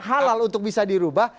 halal untuk bisa dirubah